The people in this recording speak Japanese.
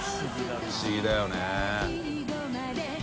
不思議だよね。